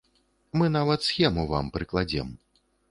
Мы нават схему вам прыкладзем.